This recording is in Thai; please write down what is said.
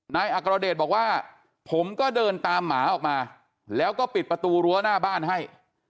นายอัครเดชบอกว่าผมก็เดินตามหมาออกมาแล้วก็ปิดประตูรั้วหน้าบ้านให้